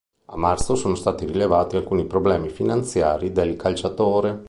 A marzo, sono stati rivelati alcuni problemi finanziari del calciatore.